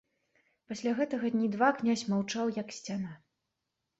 Пасля гэтага дні два князь маўчаў, як сцяна.